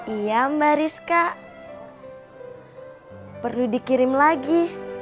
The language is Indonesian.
iya mbak rizka perlu dikirim lagi